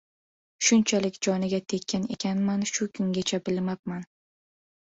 Shunchalik joniga tekkan ekanman, shu kungacha bilmabman».